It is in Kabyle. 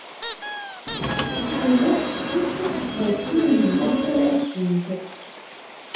Ulac ccekk dakken yezgel tamacint.